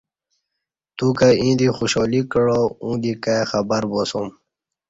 توکہ ییں دی خوشحا لی کعا اوں دی کائی خبرباسوم